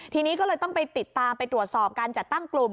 ทีนี้ก็เลยต้องไปติดตามไปตรวจสอบการจัดตั้งกลุ่ม